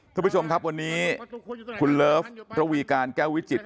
ทุกผู้ชมครับวันนี้คุณเลิฟระวีการแก้ววิจิต